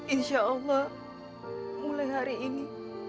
insyaallah mulai hari ini